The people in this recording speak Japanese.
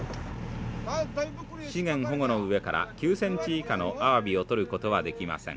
資源保護の上から９センチ以下のアワビを取ることはできません。